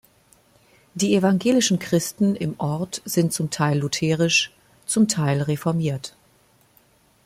Die evangelischen Christen im Ort sind zum Teil lutherisch, zum Teil reformiert.